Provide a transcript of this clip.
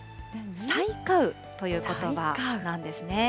催花雨ということばなんですね。